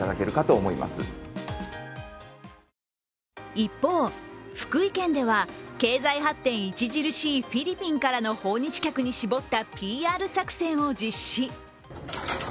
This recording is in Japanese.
一方、福井県では経済発展著しいフィリピンからの訪日客に絞ったＰＲ作戦を実施。